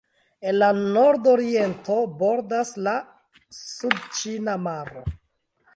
En la nordoriento bordas la sudĉina maro.